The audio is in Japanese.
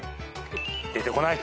出てこない！